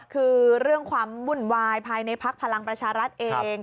คือเรื่องความวุ่นวายภายในภักดิ์พลังประชารัฐเอง